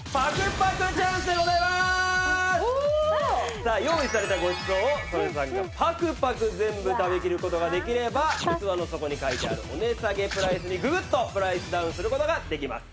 さあ用意されたごちそうを曽根さんがパクパク全部食べきる事ができれば器の底に書いてあるお値下げプライスにググッとプライスダウンする事ができます。